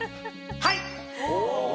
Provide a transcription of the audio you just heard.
はい。